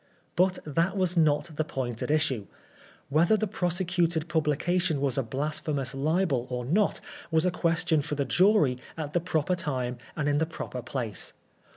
But that was not the point at issue. Whether the prosecuted publication was a blasphemous libel or not, was a question for the jury at the proper time and in the proper place.